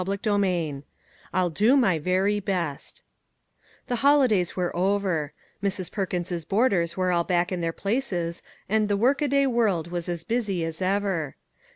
54 CHAPTER IV "I'LL DO MY VERY BEST" THE holidays were over; Mrs. Per kins's boarders were all back in their places, and the work a day world was as busy as ever.